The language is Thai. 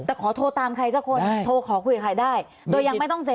แต่ขอโทรตามใครสักคนโทรขอคุยกับใครได้โดยยังไม่ต้องเซ็น